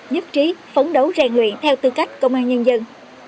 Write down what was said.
nhất trí phấn đấu rèn luyện theo tư cách công an nhân dân